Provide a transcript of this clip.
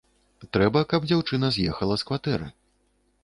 Трэба, каб дзяўчына з'ехала з кватэры.